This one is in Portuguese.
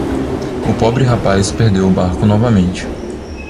O pobre rapaz perdeu o barco novamente.